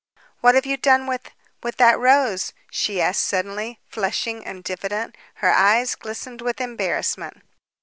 "What have you done with with that rose?" she asked suddenly, flushing and diffident. Her eyes glistened with embarrassment.